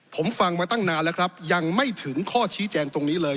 ผมฟังมาตั้งนานแล้วครับยังไม่ถึงข้อชี้แจงตรงนี้เลย